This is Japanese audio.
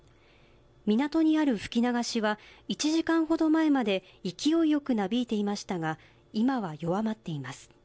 港にある吹き流しは１時間ほど前まで勢いよく、なびいていましたが今は弱まっています。